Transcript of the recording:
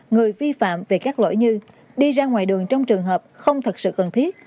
người vi phạm về các lỗi như đi ra ngoài đường trong trường hợp không thật sự cần thiết